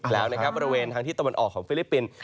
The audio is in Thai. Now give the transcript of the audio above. แล้วนะครับบริเวณทางที่ตะวันออกของฟิลิปปินส์